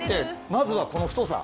まずはこの太さ。